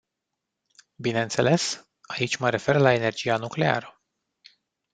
Bineînțeles, aici mă refer la energia nucleară.